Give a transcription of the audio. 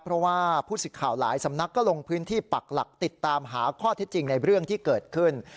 เพราะว่าผู้สิทธิ์ข่าวหลายสำนักก็ลงพื้นที่ปักหลักติดตามหาข้อเท็จจริงในเรื่องที่เกิดขึ้น